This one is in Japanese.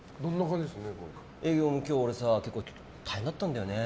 今日俺さ結構大変だったんだよね。